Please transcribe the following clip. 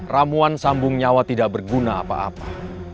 ramuan sambung nyawa tidak berguna apa apa